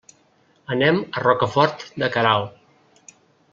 Anem a Rocafort de Queralt.